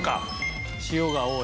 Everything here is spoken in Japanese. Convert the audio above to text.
塩が多い？